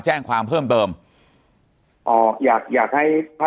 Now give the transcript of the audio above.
จนถึงปัจจุบันมีการมารายงานตัว